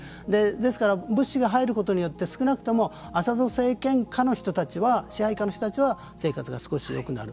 ですから物資が入ることによって少なくともアサド政権下の人たちは支配下の人たちは生活が少しよくなる。